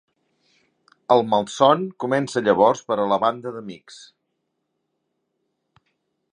El malson comença llavors per a la banda d'amics.